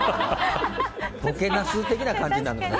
ボケナス的な感じになるのかな。